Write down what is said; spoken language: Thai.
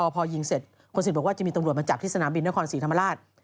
พอยิงเสร็จคนศิษย์บอกว่าจะมีตำรวจมาจับที่สนามบินนครศรีธรรมราช